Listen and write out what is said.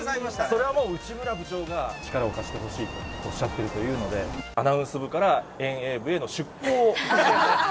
それはもう、内村部長が力を貸してほしいとおっしゃってるというので、アナウンス部から遠泳部への出向を。